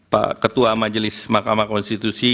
pak ketua majelis mahkamah konstitusi